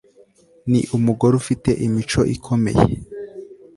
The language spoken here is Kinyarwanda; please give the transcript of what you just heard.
Ni umugore ufite imico ikomeye